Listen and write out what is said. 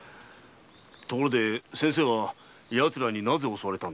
ところで先生は奴らになぜ襲われたのです？